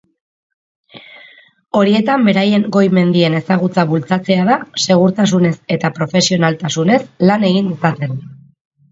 Horietan beraien goi mendien ezagutza bultzatzea da segurtasunez eta profesionaltasunez lan egin dezaten.